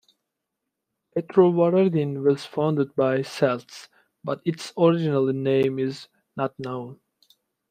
Petrovaradin was founded by Celts, but its original name is not known.